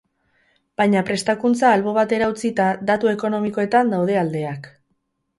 Baina prestakuntza albo batera utzita, datu ekonomikoetan daude aldeak.